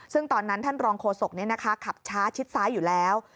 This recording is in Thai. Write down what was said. ซึ่งตอนนั้นท่านรองโฆษกขับช้าชิดซ้ายอยู่แล้ว